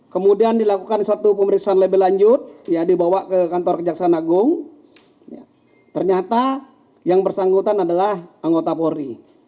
kemudian dilakukan satu pemeriksaan lebih lanjut ya dibawa ke kantor kejaksaan agung ternyata yang bersangkutan adalah anggota polri